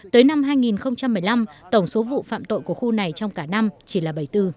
tới năm hai nghìn một mươi năm tổng số vụ phạm tội của khu này trong cả năm chỉ là bảy mươi bốn